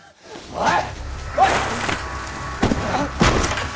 おい！